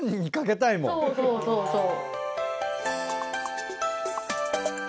そうそうそうそう。